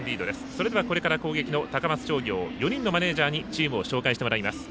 それではこれから攻撃の高松商業４人のマネージャーにチームを紹介してもらいます。